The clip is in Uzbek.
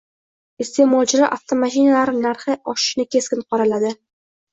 Isteʼmolchilar avtomashinalar narxi oshishini keskin qoraladi.